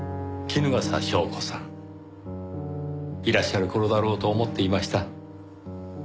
衣笠祥子さんいらっしゃる頃だろうと思っていました。